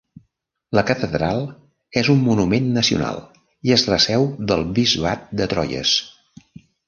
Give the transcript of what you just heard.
La catedral és un monument nacional i és la seu del Bisbat de Troyes.